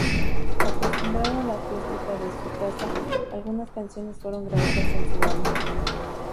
Acostumbrada a la acústica de su casa algunas canciones fueron grabadas en su baño.